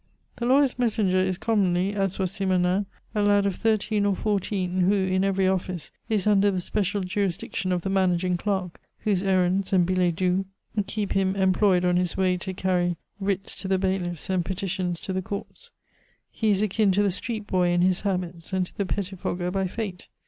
The lawyer's messenger is commonly, as was Simonnin, a lad of thirteen or fourteen, who, in every office, is under the special jurisdiction of the managing clerk, whose errands and billets doux keep him employed on his way to carry writs to the bailiffs and petitions to the Courts. He is akin to the street boy in his habits, and to the pettifogger by fate.